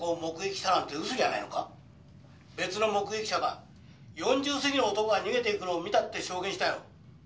「別の目撃者が４０過ぎの男が逃げていくのを見たって証言したよ」